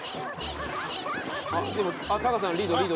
でもタカさんリードリード。